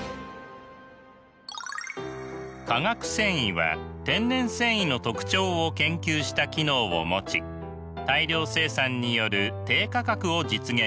化学繊維は天然繊維の特徴を研究した機能を持ち大量生産による低価格を実現しています。